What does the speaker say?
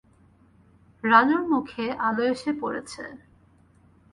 রানুর মুখে আলো এসে পড়েছে।